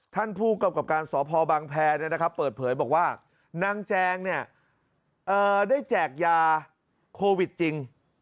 ท่านผู้กำกับการสพบังแพรเปิดเผยบอกว่านางแจงได้แจกยาโควิดจริง